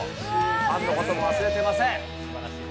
ファンのことも忘れていません。